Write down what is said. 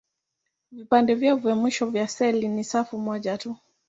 Vipande vyao vya mwisho vya seli ni safu moja tu.